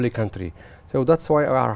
vì vậy tôi rất vui khi ở đây